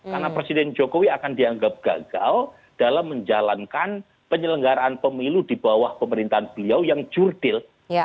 karena presiden jokowi akan dianggap gagal dalam menjalankan penyelenggaraan pemilu di bawah pemerintahan beliau yang jurdil